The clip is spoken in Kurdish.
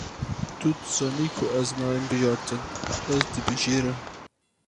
Tu dizanî ku ez nayêm bijartin, ez dibijêrim.